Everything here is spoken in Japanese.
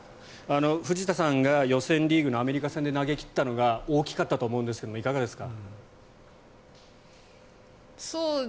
藤田さんが予選リーグのアメリカ戦で投げ切ったのが大きかったと思うんですがいかがですか？